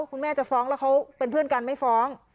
คุณแม่จะฟ้องแล้วเขาเป็นเพื่อนกันไม่ฟ้อง